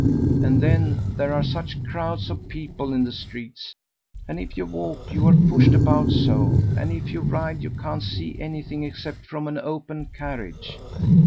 And then there are such crowds of people in the streets; and if you walk you are pushed about so, and if you ride you can't see anything except from an open carriage.